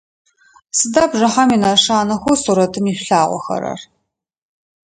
Сыда бжыхьэм инэшанэхэу сурэтым ишъулъагъохэрэр?